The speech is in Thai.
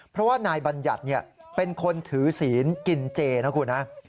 เพราะว่านายบัญญัติเป็นคนถือศีลกินเจนะคุณฮะ